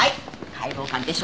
解剖鑑定書。